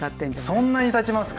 そんなにたちますか。